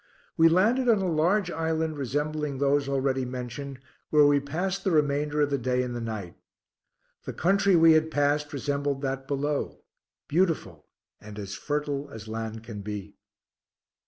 We landed on a large island resembling those already mentioned, where we passed the remainder of the day and the night. The country we had passed resembled that below, beautiful, and as fertile as land can be.